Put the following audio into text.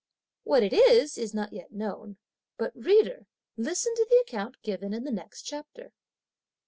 What it is, is not yet known, but, reader, listen to the account given in the next chapter.